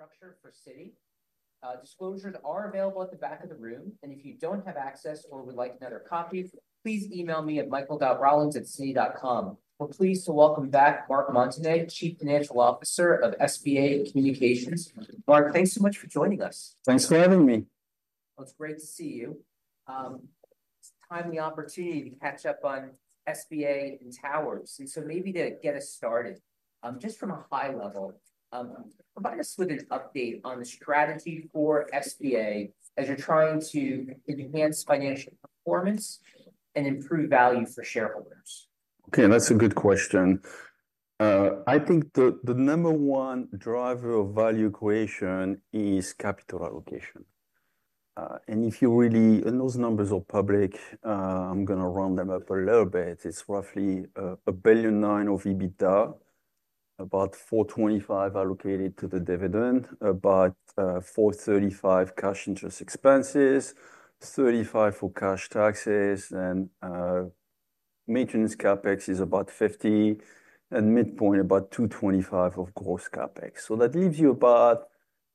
And infrastructure for Citi. Disclosures are available at the back of the room, and if you don't have access or would like another copy, please email me at michael.rollins@citi.com. We're pleased to welcome back Marc Montagner, Chief Financial Officer of SBA Communications. Mark, thanks so much for joining us. Thanks for having me. It's great to see you. It's a timely opportunity to catch up on SBA and towers. Maybe to get us started, just from a high level, provide us with an update on the strategy for SBA as you're trying to enhance financial performance and improve value for shareholders. Okay, that's a good question. I think the number one driver of value creation is capital allocation. And if you really, and those numbers are public, I'm going to round them up a little bit, it's roughly $1.9 billion of EBITDA, about $425 million allocated to the dividend, about $435 million cash interest expenses, $35 million for cash taxes, and maintenance CapEx is about $50 million, and midpoint about $225 million of gross CapEx. So that leaves you about,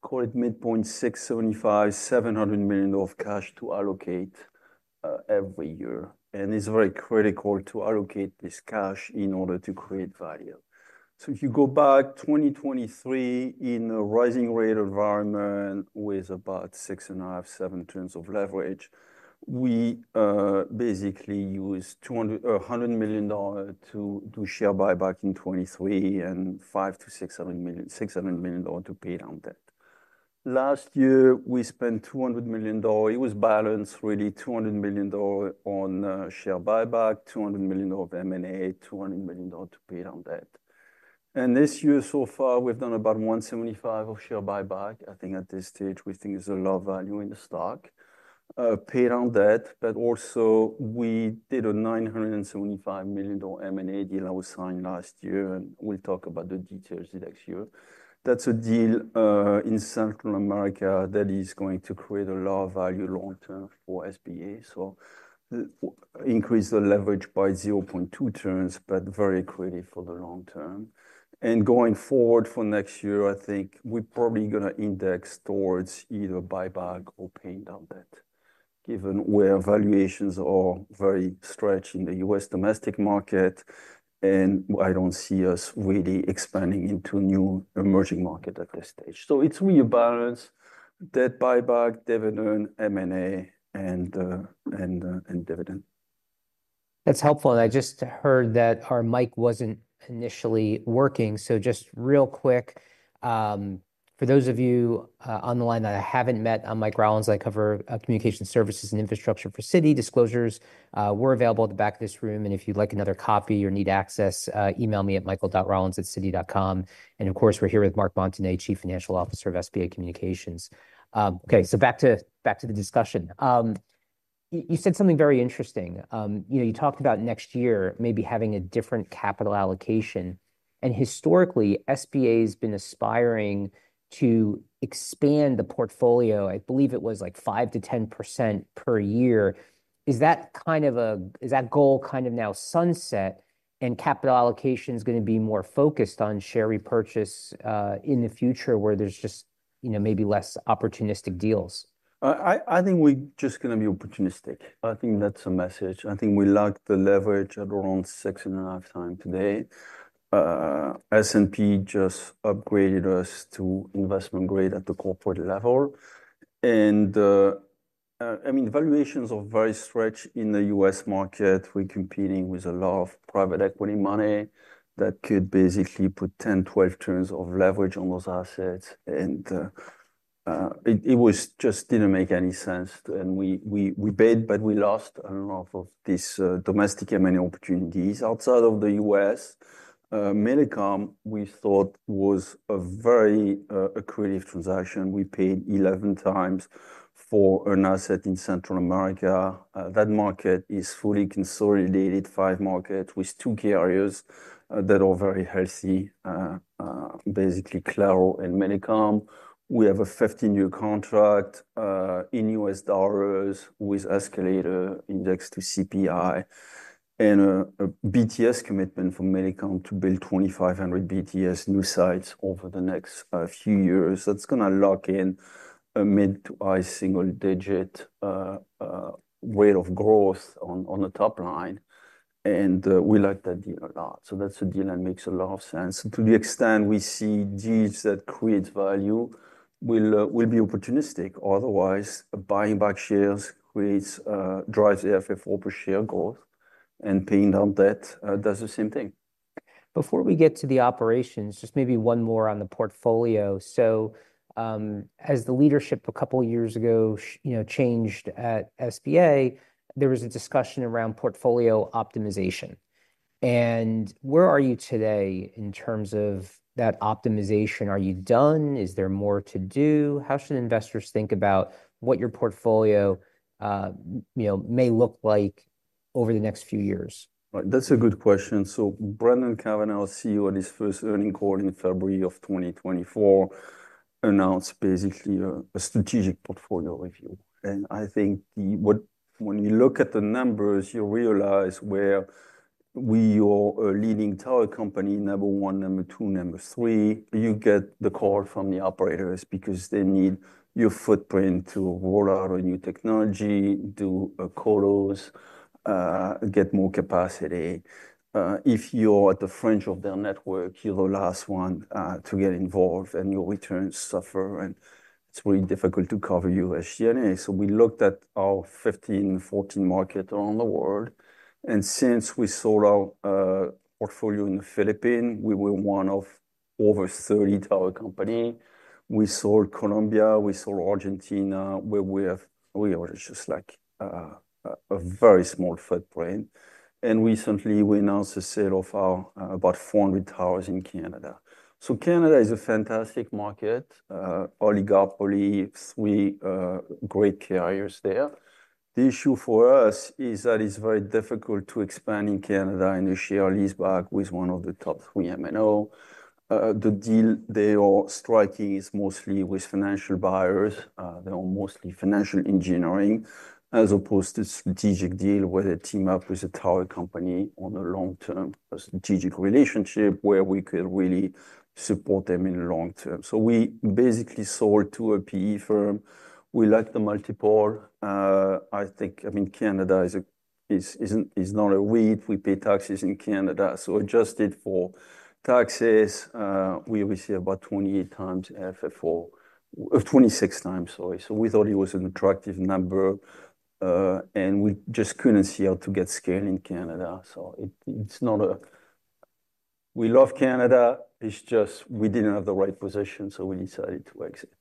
call it midpoint, $675-$700 million of cash to allocate every year. And it's very critical to allocate this cash in order to create value. So if you go back to 2023, in a rising rate environment with about 6.5-7 turns of leverage, we basically used $100 million to do share buyback in 2023 and $500-$600 million to pay down debt. Last year, we spent $200 million. It was balanced, really, $200 million on share buyback, $200 million of M&A, $200 million to pay down debt. This year, so far, we've done about $175 million of share buyback. I think at this stage, we think there's a lot of value in the stock, paying down debt, but also we did a $975 million M&A deal that was signed last year. We'll talk about the details next year. That's a deal in Central America that is going to create a lot of value long-term for SBA. Increase the leverage by 0.2 turns, but very accretive for the long-term. Going forward for next year, I think we're probably going to lean towards either buyback or paying down debt, given where valuations are very stretched in the U.S. domestic market, and I don't see us really expanding into new emerging markets at this stage. It's rebalance, debt buyback, dividend, M&A, and dividend. That's helpful. I just heard that our mic wasn't initially working. So just real quick, for those of you on the line that I haven't met, I'm Mike Rollins. I cover communication services and infrastructure for Citi. Disclosures were available at the back of this room. If you'd like another copy or need access, email me at michael.rollins@citi.com. Of course, we're here with Marc Montagner, Chief Financial Officer of SBA Communications. Okay, so back to the discussion. You said something very interesting. You talked about next year maybe having a different capital allocation. Historically, SBA has been aspiring to expand the portfolio. I believe it was like 5%-10% per year. Is that goal kind of now sunset? Capital allocation is going to be more focused on share repurchase in the future, where there's just maybe less opportunistic deals? I think we're just going to be opportunistic. I think that's a message. I think we locked the leverage at around six and a half times today. S&P just upgraded us to investment grade at the corporate level. And I mean, valuations are very stretched in the U.S. market. We're competing with a lot of private equity money that could basically put 10, 12 turns of leverage on those assets. And it just didn't make any sense. And we bid, but we lost a lot of these domestic M&A opportunities outside of the U.S. Millicom, we thought, was a very creative transaction. We paid 11 times for an asset in Central America. That market is fully consolidated, five markets with two carriers that are very healthy, basically Claro and Millicom. We have a 50-year contract in US dollars with escalator index to CPI and a BTS commitment from Millicom to build 2,500 BTS new sites over the next few years. That's going to lock in a mid- to high-single-digit rate of growth on the top line, and we like that deal a lot, so that's a deal that makes a lot of sense. To the extent we see deals that create value, we'll be opportunistic. Otherwise, buying back shares drives AFFO per share growth, and paying down debt does the same thing. Before we get to the operations, just maybe one more on the portfolio. So as the leadership a couple of years ago changed at SBA, there was a discussion around portfolio optimization. And where are you today in terms of that optimization? Are you done? Is there more to do? How should investors think about what your portfolio may look like over the next few years? That's a good question. Brendan Cavanagh, CEO at his first earnings call in February of 2024, announced basically a strategic portfolio review. I think when you look at the numbers, you realize where we are a leading tower company, number one, number two, number three. You get the call from the operators because they need your footprint to roll out a new technology, do colos, get more capacity. If you're at the fringe of their network, you're the last one to get involved, and your returns suffer. It's really difficult to cover the U.S. We looked at our 15, 14 markets around the world. Since we sold our portfolio in the Philippines, we were one of over 30 tower companies. We sold Colombia. We sold Argentina, where we are just like a very small footprint. Recently, we announced the sale of our about 400 towers in Canada. Canada is a fantastic market, oligopoly, three great carriers there. The issue for us is that it's very difficult to expand in Canada in a sale-leaseback with one of the top three MNOs. The deal they are striking is mostly with financial buyers. They are mostly financial engineering as opposed to a strategic deal where they team up with a tower company on a long-term strategic relationship where we could really support them in the long term. We basically sold to a PE firm. We like the multiple. I think, I mean, Canada is not a REIT. We pay taxes in Canada. Adjusted for taxes, we receive about 28 times AFFO, 26 times, sorry. We thought it was an attractive number. And we just couldn't see how to get scaled in Canada. So it's not a—we love Canada. It's just we didn't have the right position, so we decided to exit.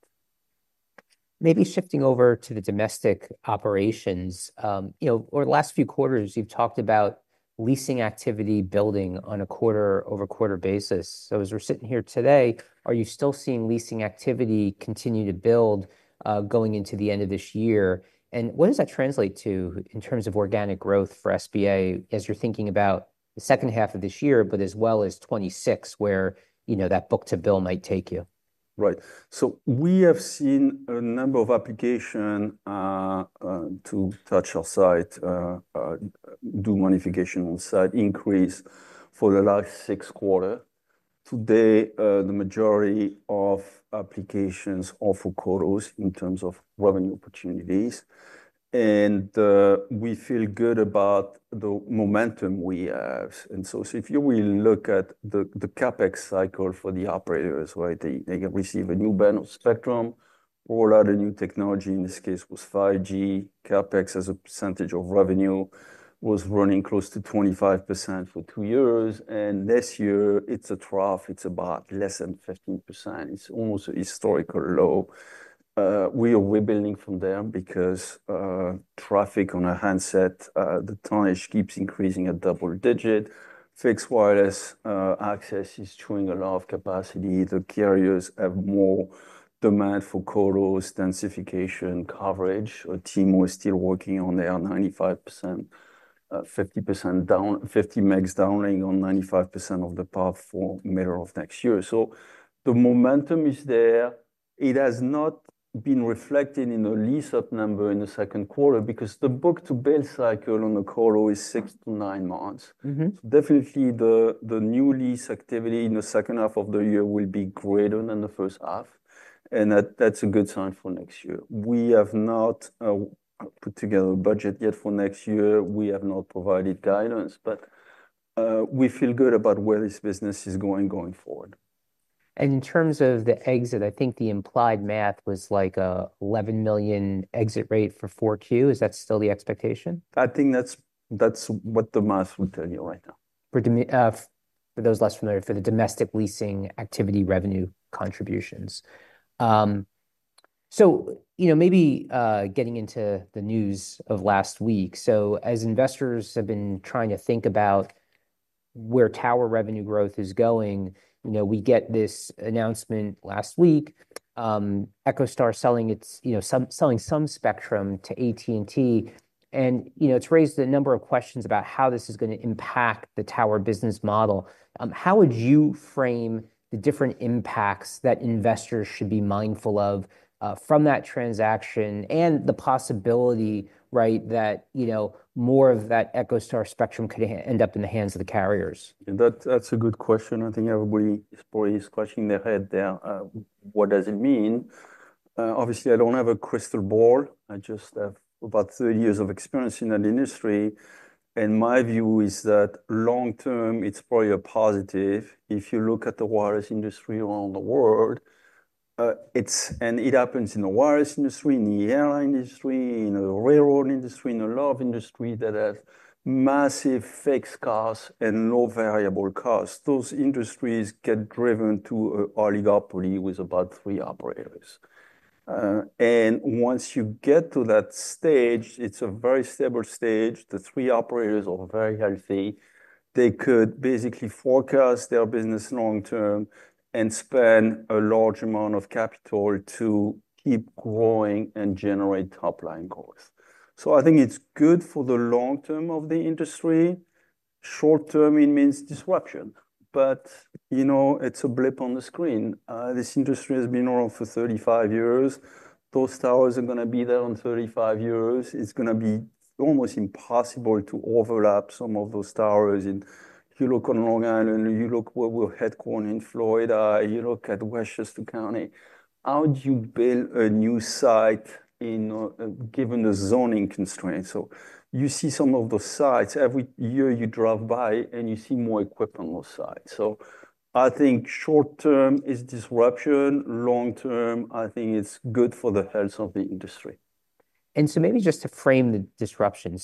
Maybe shifting over to the domestic operations, over the last few quarters, you've talked about leasing activity building on a quarter-over-quarter basis. So as we're sitting here today, are you still seeing leasing activity continue to build going into the end of this year? And what does that translate to in terms of organic growth for SBA as you're thinking about the second half of this year, but as well as 2026, where that book to bill might take you? Right. So we have seen a number of applications to touch our site, do modification on site, increase for the last six quarters. Today, the majority of applications are for colos in terms of revenue opportunities. And we feel good about the momentum we have. And so if you will look at the CapEx cycle for the operators, right, they receive a new band of spectrum, roll out a new technology. In this case, it was 5G. CapEx as a percentage of revenue was running close to 25% for two years. And this year, it's a trough. It's about less than 15%. It's almost a historical low. We are rebuilding from there because traffic on our handset, the tonnage keeps increasing at double digit. Fixed wireless access is chewing a lot of capacity. The carriers have more demand for colos, densification, coverage. T-Mobile is still working on their 95%, 50% down, 50 megs downlink on 95% of the POPs for middle of next year. So the momentum is there. It has not been reflected in the lease-up number in the second quarter because the book-to-bill cycle on the colo is six to nine months. Definitely, the new lease activity in the second half of the year will be greater than the first half. And that's a good sign for next year. We have not put together a budget yet for next year. We have not provided guidance, but we feel good about where this business is going forward. In terms of the exit, I think the implied math was like a $11 million exit rate for 4Q. Is that still the expectation? I think that's what the math will tell you right now. For those less familiar, for the domestic leasing activity revenue contributions. So maybe getting into the news of last week. So as investors have been trying to think about where tower revenue growth is going, we get this announcement last week. EchoStar selling some spectrum to AT&T. And it's raised a number of questions about how this is going to impact the tower business model. How would you frame the different impacts that investors should be mindful of from that transaction and the possibility that more of that EchoStar spectrum could end up in the hands of the carriers? That's a good question. I think everybody is probably scratching their head there. What does it mean? Obviously, I don't have a crystal ball. I just have about 30 years of experience in that industry. And my view is that long term, it's probably a positive. If you look at the wireless industry around the world, and it happens in the wireless industry, in the airline industry, in the railroad industry, in a lot of industries that have massive fixed costs and low variable costs, those industries get driven to an oligopoly with about three operators. And once you get to that stage, it's a very stable stage. The three operators are very healthy. They could basically forecast their business long term and spend a large amount of capital to keep growing and generate top-line growth. So I think it's good for the long term of the industry. Short term, it means disruption. But it's a blip on the screen. This industry has been around for 35 years. Those towers are going to be there in 35 years. It's going to be almost impossible to overlap some of those towers in. You look on Long Island, you look at where we're headquartered in Florida, you look at Westchester County. How do you build a new site given the zoning constraints? So you see some of those sites every year you drive by and you see more equipment on those sites. So I think short term is disruption. Long term, I think it's good for the health of the industry. And so maybe just to frame the disruption.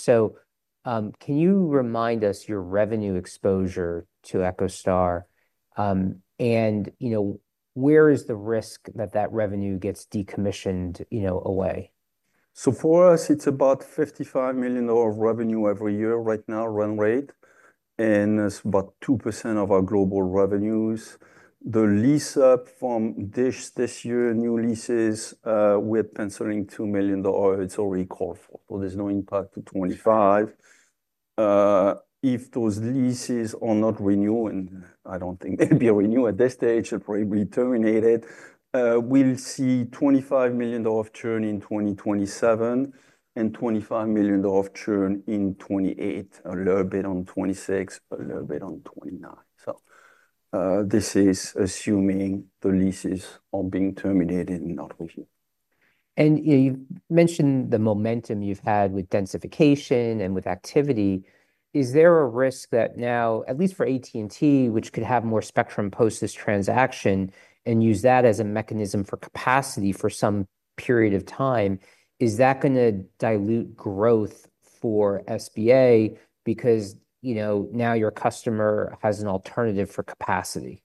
So can you remind us your revenue exposure to EchoStar? And where is the risk that that revenue gets decommissioned away? For us, it's about $55 million of revenue every year right now, run rate. And it's about 2% of our global revenues. The lease-up from this year, new leases, we're penciling $2 million. It's already called for. So there's no impact to 2025. If those leases are not renewed, and I don't think they'll be renewed at this stage, they'll probably be terminated. We'll see $25 million of churn in 2027 and $25 million of churn in 2028, a little bit on 2026, a little bit on 2029. So this is assuming the leases are being terminated and not renewed. And you mentioned the momentum you've had with densification and with activity. Is there a risk that now, at least for AT&T, which could have more spectrum post this transaction and use that as a mechanism for capacity for some period of time, is that going to dilute growth for SBA because now your customer has an alternative for capacity?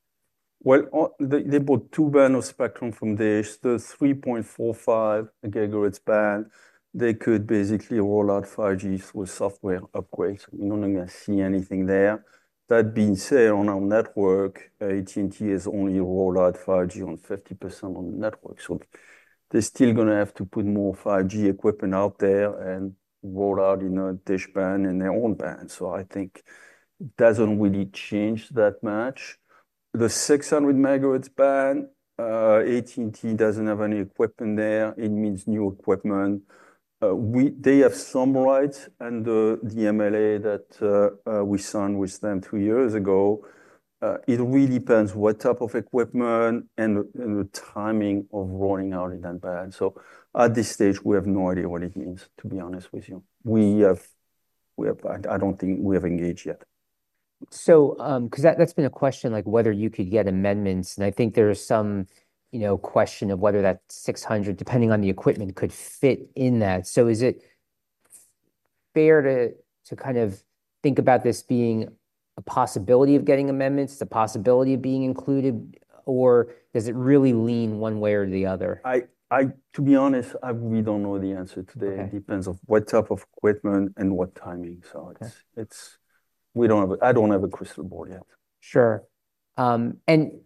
They bought two bands of spectrum from DISH, the 3.45 gigahertz band. They could basically roll out 5G through software upgrades. We're not going to see anything there. That being said, on our network, AT&T has only rolled out 5G on 50% of the network. So they're still going to have to put more 5G equipment out there and roll out in a DISH band and their own band. So I think it doesn't really change that much. The 600 megahertz band, AT&T doesn't have any equipment there. It means new equipment. They have some rights and the MLA that we signed with them three years ago. It really depends what type of equipment and the timing of rolling out in that band. So at this stage, we have no idea what it means, to be honest with you. We have, I don't think we have engaged yet. So because that's been a question like whether you could get amendments. And I think there's some question of whether that 600, depending on the equipment, could fit in that. So is it fair to kind of think about this being a possibility of getting amendments, the possibility of being included, or does it really lean one way or the other? To be honest, I really don't know the answer today. It depends on what type of equipment and what timing. So we don't have, I don't have a crystal ball yet. Sure. And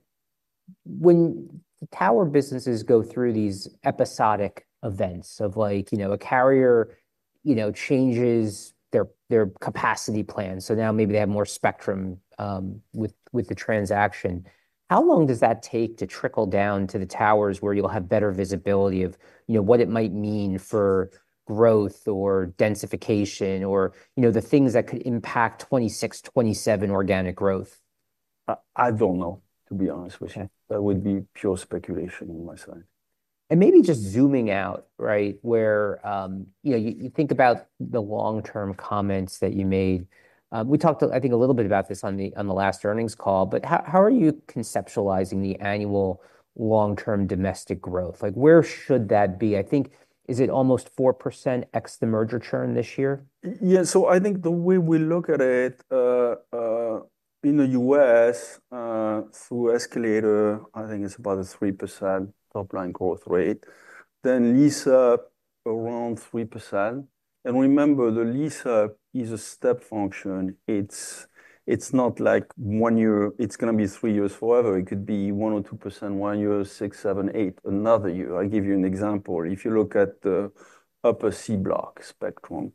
when the tower businesses go through these episodic events of like a carrier changes their capacity plan, so now maybe they have more spectrum with the transaction, how long does that take to trickle down to the towers where you'll have better visibility of what it might mean for growth or densification or the things that could impact 2026, 2027 organic growth? I don't know, to be honest with you. That would be pure speculation on my side. Maybe just zooming out, right, where you think about the long-term comments that you made. We talked, I think, a little bit about this on the last earnings call, but how are you conceptualizing the annual long-term domestic growth? Where should that be? I think, is it almost 4% ex the merger churn this year? Yeah, so I think the way we look at it in the US through escalator, I think it's about a 3% top-line growth rate. Then lease-up around 3%. And remember, the lease-up is a step function. It's not like one year, it's going to be three years forever. It could be 1% or 2% one year, six, seven, eight% another year. I'll give you an example. If you look at the upper C-block spectrum,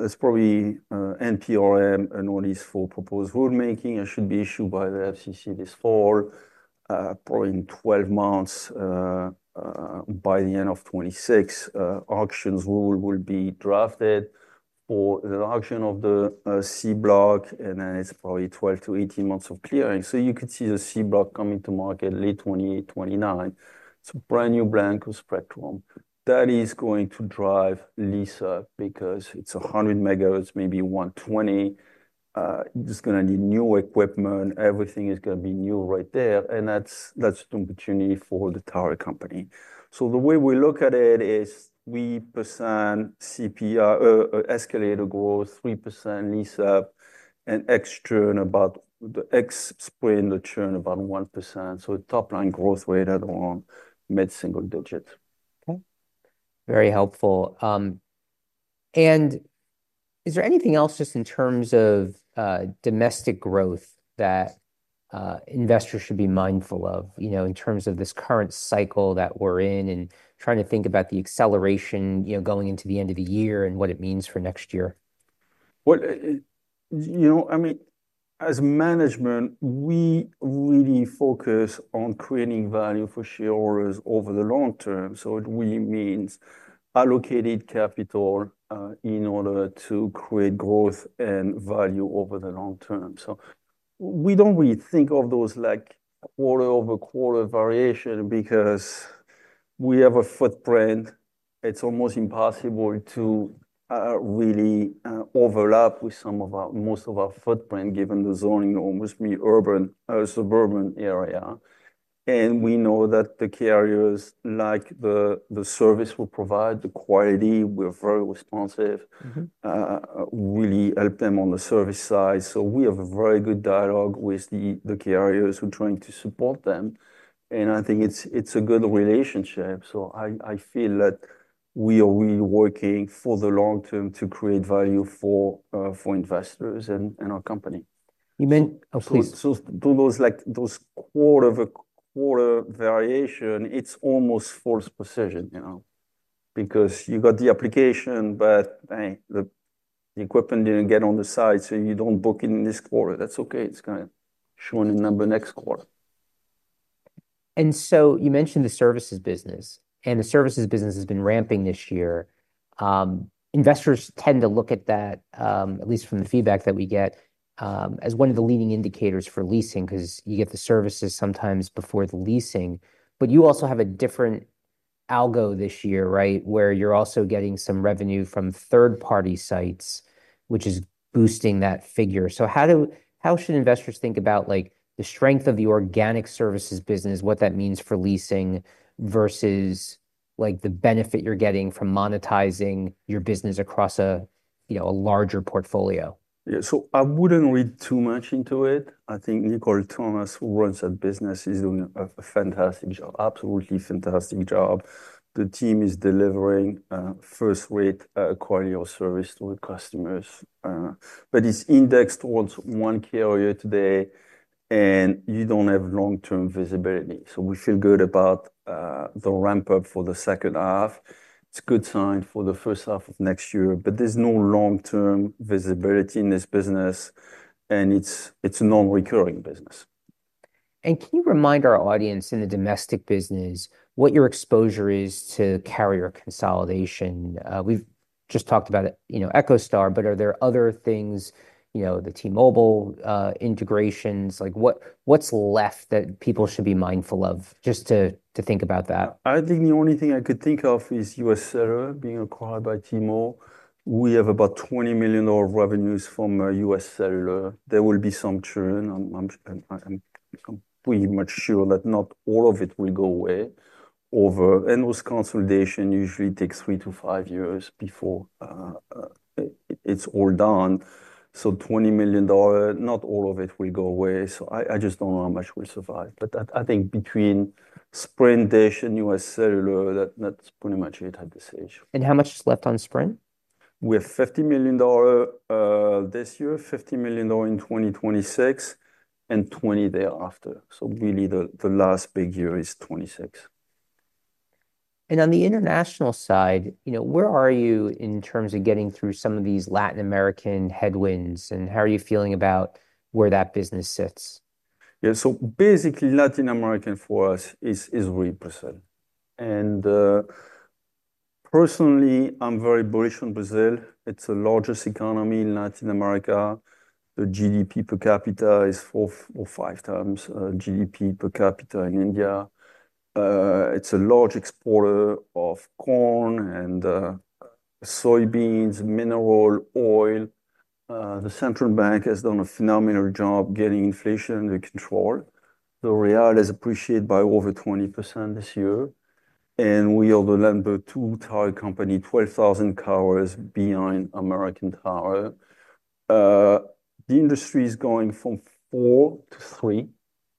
that's probably NPRM and all these proposed rulemakings should be issued by the FCC this fall, probably in 12 months by the end of 2026. Auction rules will be drafted for the auction of the C-block, and then it's probably 12 to 18 months of clearing. So you could see the C-block coming to market late 2028, 2029. It's a brand new band of spectrum. That is going to drive lease-up because it's 100 megahertz, maybe 120. It's going to need new equipment. Everything is going to be new right there. And that's the opportunity for the tower company. So the way we look at it is 3% escalator growth, 3% lease-up, and ex churn about the ex-Sprint churn about 1%. So top-line growth rate at the moment, mid-single digits. Okay. Very helpful, and is there anything else just in terms of domestic growth that investors should be mindful of in terms of this current cycle that we're in and trying to think about the acceleration going into the end of the year and what it means for next year? You know, I mean, as management, we really focus on creating value for shareholders over the long term. So it really means allocated capital in order to create growth and value over the long term. So we don't really think of those like quarter-over-quarter variation because we have a footprint. It's almost impossible to really overlap with some of our, most of our footprint given the zoning in urban, suburban area. And we know that the carriers like the service we provide, the quality, we're very responsive, really help them on the service side. So we have a very good dialogue with the carriers who are trying to support them. And I think it's a good relationship. So I feel that we are really working for the long term to create value for investors and our company. You mean, oh please. So those quarter-over-quarter variations, it's almost false precision because you got the application, but the equipment didn't get on the site, so you don't book it in this quarter. That's okay. It's going to show in the number next quarter. You mentioned the services business, and the services business has been ramping this year. Investors tend to look at that, at least from the feedback that we get, as one of the leading indicators for leasing because you get the services sometimes before the leasing, but you also have a different angle this year, right, where you're also getting some revenue from third-party sites, which is boosting that figure. How should investors think about the strength of the organic services business, what that means for leasing versus the benefit you're getting from monetizing your business across a larger portfolio? Yeah. So I wouldn't read too much into it. I think Nichole Thomas, who runs that business, is doing a fantastic job, absolutely fantastic job. The team is delivering first-rate quality of service to the customers. But it's indexed towards one carrier today, and you don't have long-term visibility. So we feel good about the ramp-up for the second half. It's a good sign for the first half of next year, but there's no long-term visibility in this business, and it's a non-recurring business. Can you remind our audience in the domestic business what your exposure is to carrier consolidation? We've just talked about EchoStar, but are there other things, the T-Mobile integrations, like what's left that people should be mindful of just to think about that? I think the only thing I could think of is UScellular being acquired by T-Mobile. We have about $20 million revenues from UScellular. There will be some churn. I'm pretty much sure that not all of it will go away over, and those consolidations usually take three to five years before it's all done, so $20 million, not all of it will go away, so I just don't know how much will survive, but I think between Sprint, DISH, and UScellular, that's pretty much it at this stage. How much is left on Sprint? We have $50 million this year, $50 million in 2026, and $20 million thereafter. So really, the last big year is 2026. On the international side, where are you in terms of getting through some of these Latin American headwinds? How are you feeling about where that business sits? Yeah. So basically, Latin America for us is really Brazil. And personally, I'm very bullish on Brazil. It's the largest economy in Latin America. The GDP per capita is four or five times GDP per capita in India. It's a large exporter of corn and soybeans, mineral oil. The central bank has done a phenomenal job getting inflation under control. The real has appreciated by over 20% this year. And we are the number two tower company, 12,000 towers behind American Tower. The industry is going from four to three,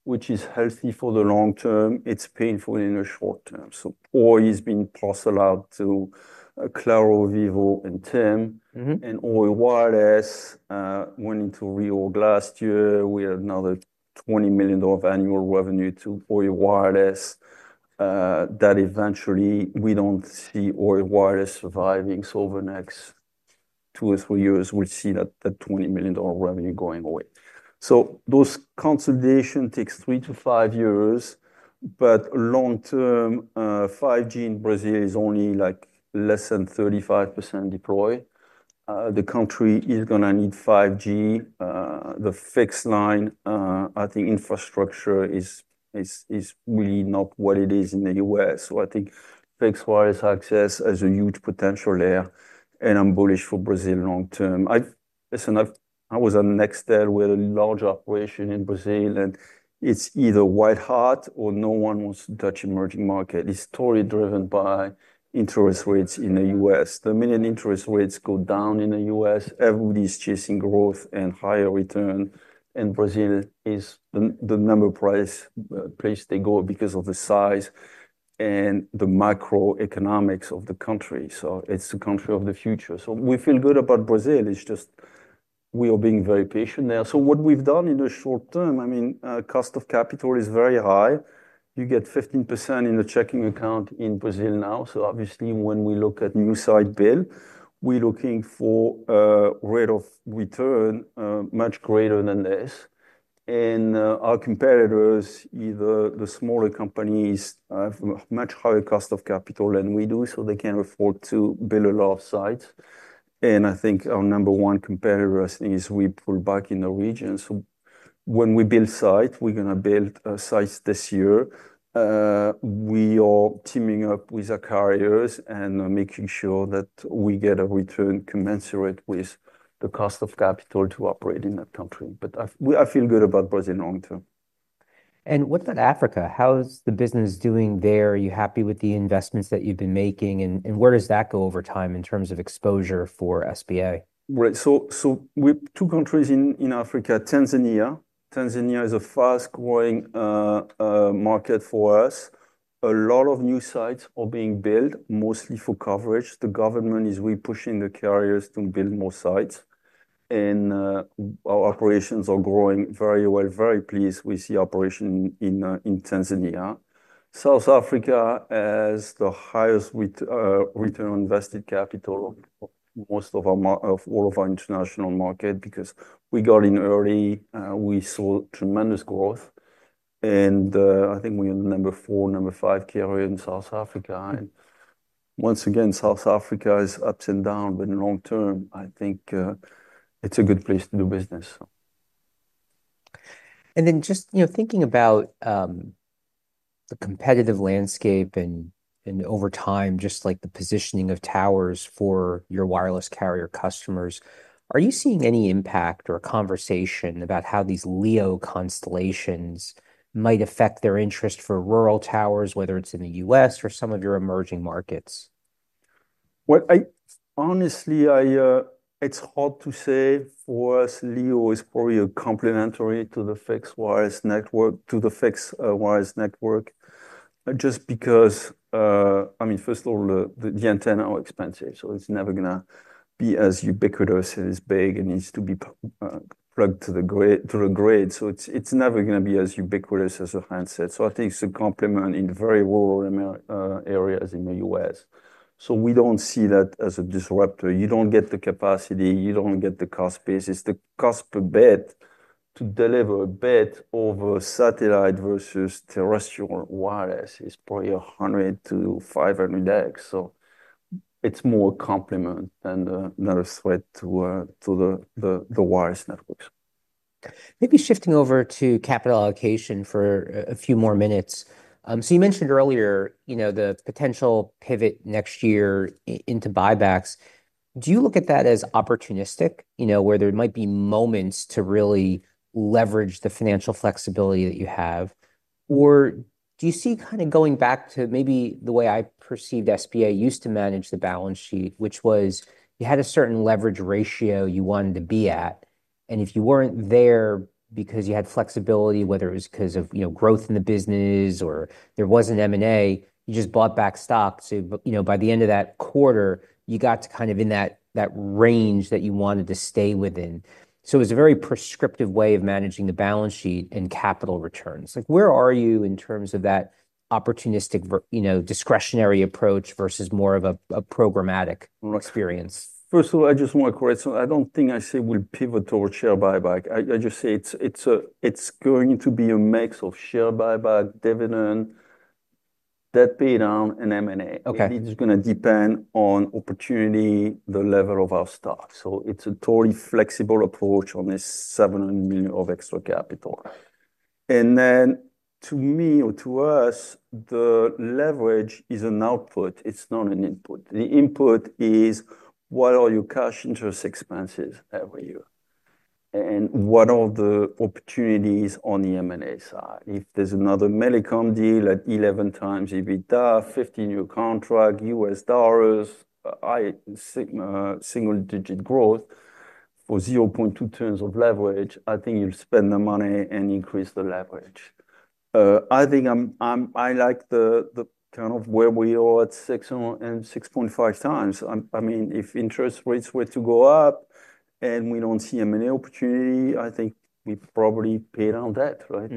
which is healthy for the long term. It's painful in the short term. So Oi has been parceled out to Claro, Vivo, and TIM. And Oi wireless went into reorg last year. We had another $20 million of annual revenue to Oi wireless. That eventually, we don't see Oi wireless surviving. So over the next two or three years, we'll see that $20 million revenue going away. So those consolidations take three to five years. But long-term, 5G in Brazil is only less than 35% deployed. The country is going to need 5G. The fixed line, I think infrastructure is really not what it is in the U.S. So I think fixed wireless access has a huge potential there. And I'm bullish for Brazil long term. Listen, I was at Nextel with a large operation in Brazil, and it's either white-hot or no one wants to touch emerging market. It's totally driven by interest rates in the U.S. The minute interest rates go down in the U.S., everybody's chasing growth and higher return. And Brazil is the number place they go because of the size and the macroeconomics of the country. So it's the country of the future. We feel good about Brazil. It's just we are being very patient there. So what we've done in the short term, I mean, cost of capital is very high. You get 15% in the checking account in Brazil now. So obviously, when we look at new site build, we're looking for a rate of return much greater than this. And our competitors, either the smaller companies, have much higher cost of capital than we do, so they can afford to build a lot of sites. And I think our number one competitor is we pull back in the region. So when we build site, we're going to build sites this year. We are teaming up with our carriers and making sure that we get a return commensurate with the cost of capital to operate in that country. But I feel good about Brazil long term. And what about Africa? How's the business doing there? Are you happy with the investments that you've been making? And where does that go over time in terms of exposure for SBA? Right, so we have two countries in Africa, Tanzania. Tanzania is a fast-growing market for us. A lot of new sites are being built, mostly for coverage. The government is really pushing the carriers to build more sites, and our operations are growing very well. Very pleased we see operations in Tanzania. South Africa has the highest return on invested capital of all of our international market because we got in early. We saw tremendous growth, and I think we are number four, number five carrier in South Africa. And once again, South Africa has its ups and downs, but in the long term, I think it's a good place to do business. And then just thinking about the competitive landscape and over time, just like the positioning of towers for your wireless carrier customers, are you seeing any impact or a conversation about how these LEO constellations might affect their interest for rural towers, whether it's in the U.S. or some of your emerging markets? Honestly, it's hard to say for us. LEO is probably complementary to the fixed wireless network, just because, I mean, first of all, the antennas are expensive. So it's never going to be as ubiquitous as it is big. It needs to be plugged to the grid. So it's never going to be as ubiquitous as the handset. I think it's a complement in very rural areas in the US. We don't see that as a disruptor. You don't get the capacity. You don't get the cost basis. The cost per bit to deliver a bit over satellite versus terrestrial wireless is probably 100-500X. It's more a complement than a threat to the wireless networks. Maybe shifting over to capital allocation for a few more minutes. So you mentioned earlier the potential pivot next year into buybacks. Do you look at that as opportunistic, where there might be moments to really leverage the financial flexibility that you have? Or do you see kind of going back to maybe the way I perceived SBA used to manage the balance sheet, which was you had a certain leverage ratio you wanted to be at. And if you weren't there because you had flexibility, whether it was because of growth in the business or there wasn't M&A, you just bought back stock. So by the end of that quarter, you got to kind of in that range that you wanted to stay within. So it was a very prescriptive way of managing the balance sheet and capital returns. Where are you in terms of that opportunistic discretionary approach versus more of a programmatic experience? First of all, I just want to correct. So I don't think I say we'll pivot towards share buyback. I just say it's going to be a mix of share buyback, dividend, debt paydown, and M&A. It's going to depend on opportunity, the level of our stock. So it's a totally flexible approach on this $700 million of extra capital. And then to me or to us, the leverage is an output. It's not an input. The input is, what are your cash interest expenses every year? And what are the opportunities on the M&A side? If there's another Millicom deal at 11 times EBITDA, 15-year contract, USD, single-digit growth for 0.2 turns of leverage, I think you'll spend the money and increase the leverage. I think I like the kind of where we are at 6.5 times. I mean, if interest rates were to go up and we don't see any opportunity, I think we probably pay down debt, right?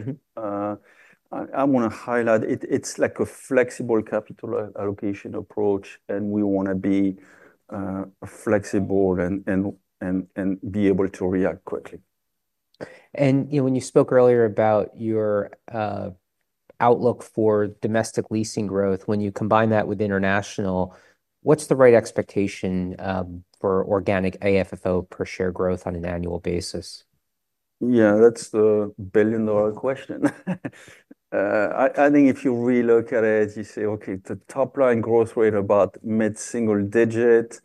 I want to highlight it's like a flexible capital allocation approach, and we want to be flexible and be able to react quickly. When you spoke earlier about your outlook for domestic leasing growth, when you combine that with international, what's the right expectation for organic AFFO per share growth on an annual basis? Yeah, that's the billion-dollar question. I think if you relook at it, you say, okay, the top-line growth rate about mid-single digit,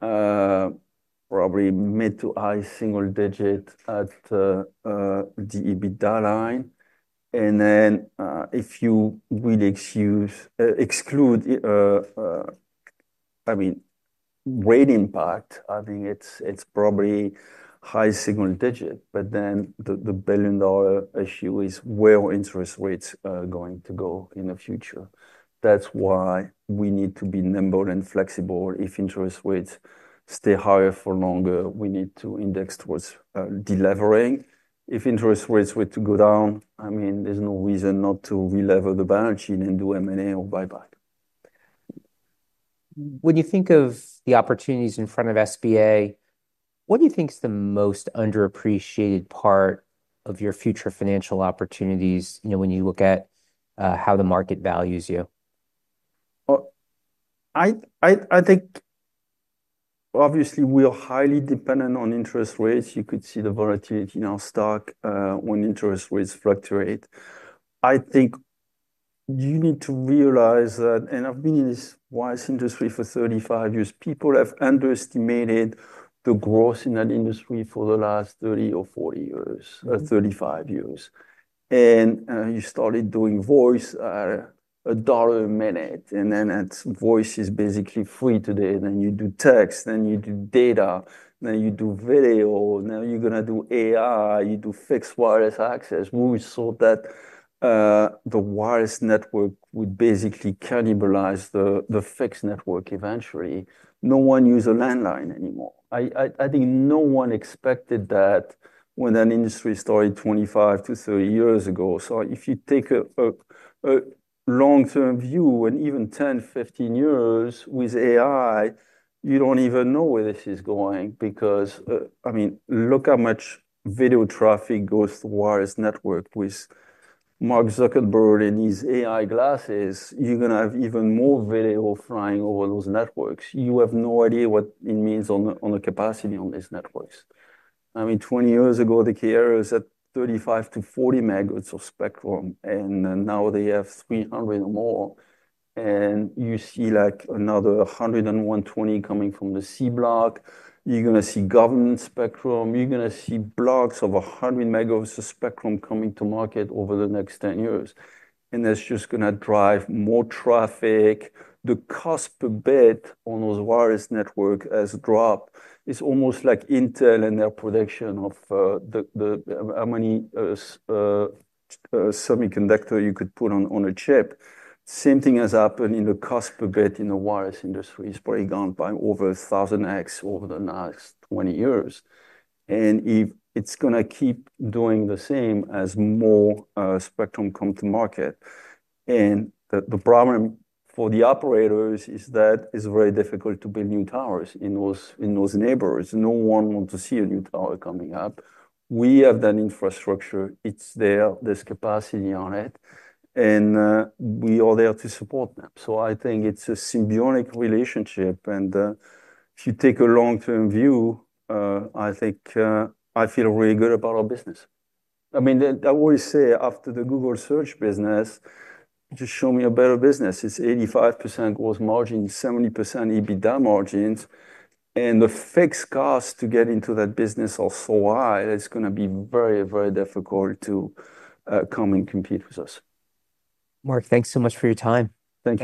probably mid to high single digit at the EBITDA line. And then if you really exclude, I mean, rate impact, I think it's probably high single digit. But then the billion-dollar issue is where interest rates are going to go in the future. That's why we need to be nimble and flexible. If interest rates stay higher for longer, we need to index towards delivering. If interest rates were to go down, I mean, there's no reason not to relever the balance sheet and do M&A or buyback. When you think of the opportunities in front of SBA, what do you think is the most underappreciated part of your future financial opportunities when you look at how the market values you? I think, obviously, we are highly dependent on interest rates. You could see the volatility in our stock when interest rates fluctuate. I think you need to realize that, and I've been in this wireless industry for 35 years. People have underestimated the growth in that industry for the last 30 or 40 years, 35 years, and you started doing voice at $1 a minute. Then voice is basically free today. Then you do text, then you do data, then you do video, now you're going to do AI, you do fixed wireless access. We saw that the wireless network would basically cannibalize the fixed network eventually. No one uses a landline anymore. I think no one expected that when that industry started 25-30 years ago. So if you take a long-term view and even 10, 15 years with AI, you don't even know where this is going because, I mean, look how much video traffic goes through wireless network with Mark Zuckerberg and his AI glasses. You're going to have even more video flying over those networks. You have no idea what it means on the capacity on these networks. I mean, 20 years ago, the carriers had 35-40 megahertz of spectrum. And now they have 300 or more. And you see like another 100 and 120 coming from the C-block. You're going to see government spectrum. You're going to see blocks of 100 megahertz of spectrum coming to market over the next 10 years. And that's just going to drive more traffic. The cost per bit on those wireless networks has dropped. It's almost like Intel and their production of how many semiconductors you could put on a chip. Same thing has happened in the cost per bit in the wireless industry. It's probably gone by over 1,000X over the last 20 years. And it's going to keep doing the same as more spectrum comes to market. And the problem for the operators is that it's very difficult to build new towers in those neighborhoods. No one wants to see a new tower coming up. We have that infrastructure. It's there. There's capacity on it. And we are there to support them. So I think it's a symbiotic relationship. And if you take a long-term view, I think I feel really good about our business. I mean, I always say after the Google search business, just show me a better business. It's 85% gross margin, 70% EBITDA margins. The fixed costs to get into that business are so high, it's going to be very, very difficult to come and compete with us. Marc, thanks so much for your time. Thank you.